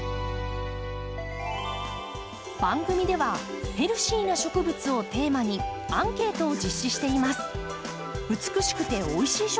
番組では「ヘルシーな植物」をテーマにアンケートを実施しています。